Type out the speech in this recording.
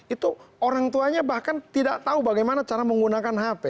itu orang tuanya bahkan tidak tahu bagaimana cara menggunakan hp